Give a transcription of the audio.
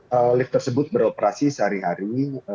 karena lift tersebut beroperasi sehari hari